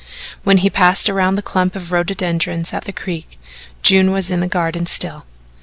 When he passed around the clump of rhododendrons at the creek, June was in the garden still.